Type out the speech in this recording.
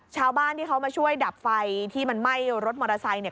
ชาวบ้านที่เขามาช่วยดับไฟที่มันไหม้รถมอเตอร์ไซค์เนี่ย